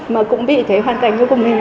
mà cũng bị cái hoàn cảnh như của mình